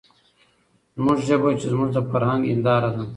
زموږ ژبه چې زموږ د فرهنګ هېنداره ده،